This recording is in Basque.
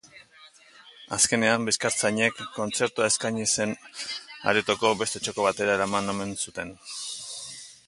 Azkenean, bizkartzainek kontzertua eskaini zen aretoko beste txoko batera eraman omen zuten.